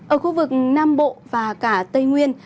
ở khu vực nam bộ và cả tây nguyên